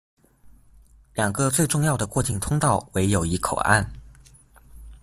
两个最重要的过境通道为友谊口岸。